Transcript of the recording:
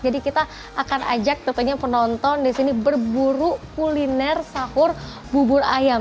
jadi kita akan ajak tentunya penonton di sini berburu kuliner sahur bubur ayam